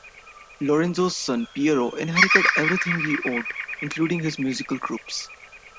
Lorenzo's son Piero inherited everything he owned, including his musical groups.